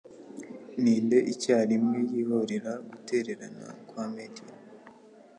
ninde icyarimwe yihorera gutererana kwa Medea